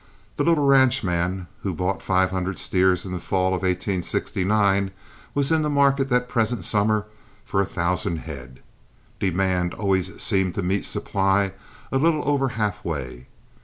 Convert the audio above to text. The little ranchman who bought five hundred steers in the fall of 1869 was in the market the present summer for a thousand head. Demand always seemed to meet supply a little over half way.